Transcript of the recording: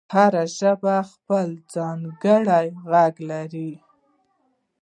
هره ژبه خپل ځانګړی غږ لري.